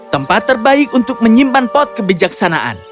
tempat terbaik untuk menyimpan pot kebijaksanaan